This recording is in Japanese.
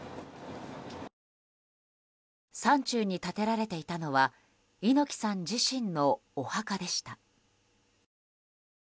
山中に建てられていたのは猪木さん自身のお墓でした。